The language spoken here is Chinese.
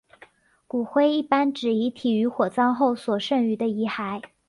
骨灰一般指遗体于火葬后所剩余的遗骸。